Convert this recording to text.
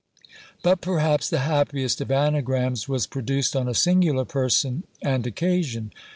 But, perhaps, the happiest of anagrams was produced on a singular person and occasion.